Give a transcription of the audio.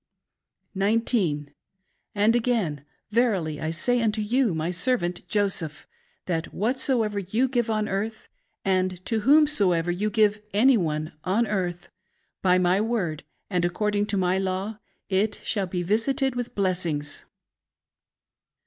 19. And again, verily I say unto you, my servant Joseph, that whatsoever you give on earth, and to whomsoever you give any one on earth, by my word, and according to my law, it shall be visited with blessings.